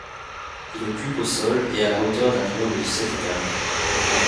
Il occupe au sol et a la hauteur d'un immeuble de sept étages.